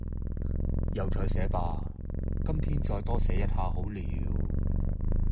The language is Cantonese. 又再寫吧...今天再多寫一下好了